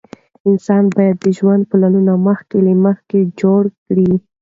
انسان باید د ژوند پلانونه مخکې له مخکې جوړ کړي.